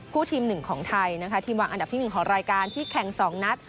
ทีมหนึ่งของไทยนะคะทีมวางอันดับที่๑ของรายการที่แข่ง๒นัด